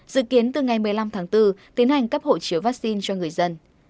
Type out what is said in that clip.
dự kiến từ ngày một mươi năm tháng bốn tiến hành cấp hộ chiếu vaccine cho người dân